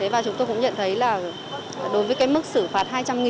và chúng tôi cũng nhận thấy là đối với cái mức xử phạt hai trăm linh